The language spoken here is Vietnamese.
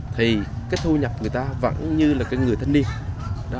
thì cái thu nhập người ta vẫn như là cái người thanh niên